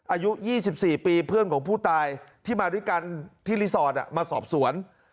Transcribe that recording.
อายุ๒๔ปีเพื่อนของผู้ตายที่มาด้วยกันที่รีสอร์ทมาสอบสวน